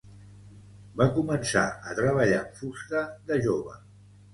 Va començar a treballar amb fusta de jove.